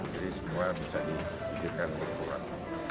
jadi semua bisa diizinkan berpulang